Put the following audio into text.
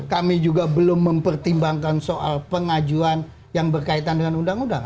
kami juga belum mempertimbangkan soal pengajuan yang berkaitan dengan undang undang